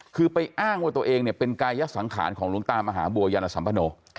คือไปอ้างไว้ว่าเป็นกายสังขารของหลวงตามหาบัวยัลสัมภโณ